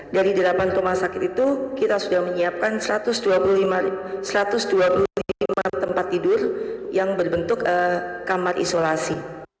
dari delapan rumah sakit itu kita sudah menyiapkan satu ratus dua puluh lima tempat tidur yang berbentuk kamar isolasi